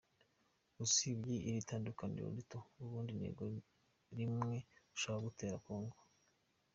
Usibye iri tandukaniro rito ubundi intego n’imwe: ugushaka gutera Congo.